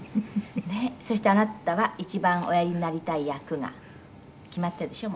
「そしてあなたは一番おやりになりたい役が決まってるんでしょ？